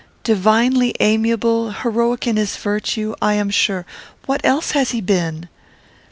Divinely amiable, heroic in his virtue, I am sure. What else has he been?"